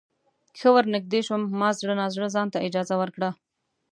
ښه ورنږدې شوم ما زړه نا زړه ځانته اجازه ورکړه.